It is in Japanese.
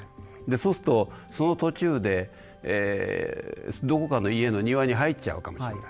そうするとその途中でどこかの家の庭に入っちゃうかもしれない。